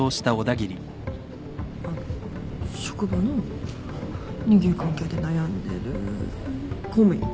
あっ職場の人間関係で悩んでる公務員。